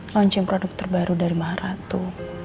launching produk terbaru dari maratu